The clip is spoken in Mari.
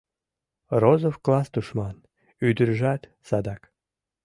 Розов — класс тушман, ӱдыржат — садак...